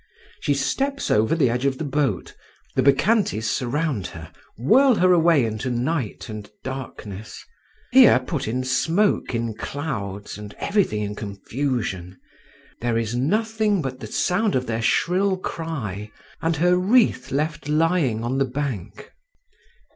She steps over the edge of the boat, the Bacchantes surround her, whirl her away into night and darkness…. Here put in smoke in clouds and everything in confusion. There is nothing but the sound of their shrill cry, and her wreath left lying on the bank."